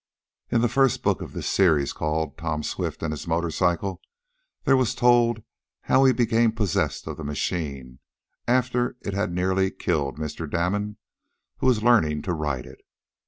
In the first book of this series, called "Tom Swift and His Motor Cycle," there was told how he became possessed of the machine, after it had nearly killed Mr. Damon, who was learning to ride it.